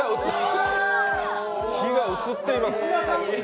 火が移っています。